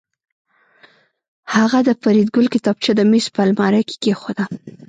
هغه د فریدګل کتابچه د میز په المارۍ کې کېښوده